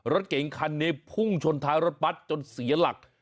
รถเก๋งคันนี้พุ่งชนท้ายรถบัตรจนเสียหลัก